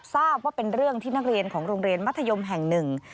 ทราบว่าเป็นเรื่องที่นักเรียนของโรงเรียนมัธยมแห่งหนึ่ง